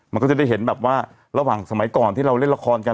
มันก็จะได้เห็นแบบว่าระหว่างสมัยก่อนที่เราเล่นละครกัน